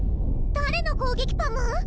誰の攻撃パム？